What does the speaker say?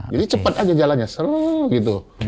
jadi cepat aja jalannya seru gitu